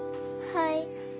はい